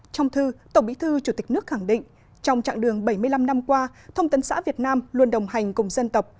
trong thư tổng bí thư chủ tịch nước khẳng định trong trạng đường bảy mươi năm năm qua thông tấn xã việt nam luôn đồng hành cùng dân tộc